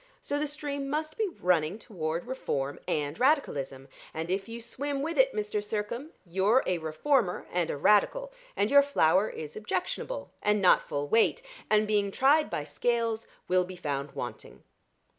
So the stream must be running toward Reform and Radicalism; and if you swim with it, Mr. Sircome, you're a Reformer and a Radical, and your flour is objectionable, and not full weight and being tried by Scales, will be found wanting."